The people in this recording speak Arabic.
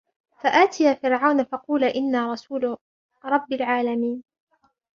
فَأْتِيَا فِرْعَوْنَ فَقُولَا إِنَّا رَسُولُ رَبِّ الْعَالَمِينَ